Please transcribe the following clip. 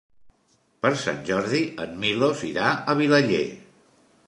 Per Sant Jordi en Milos irà a Vilaller.